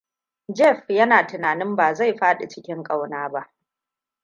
Jeff yana tunanin bazai faɗi cikin ƙauna ba.